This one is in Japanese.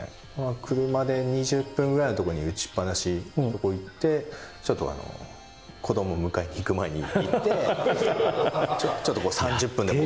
車で２０分ぐらいの所に打ちっぱなしそこ行ってちょっと子どもを迎えに行く前に行ってちょっとこう３０分でも。